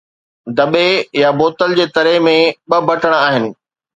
دٻي يا بوتل جي تري ۾ ٻه بٽڻ آهن